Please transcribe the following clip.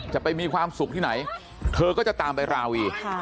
จะไปมีความสุขที่ไหนเธอก็จะตามไปราวี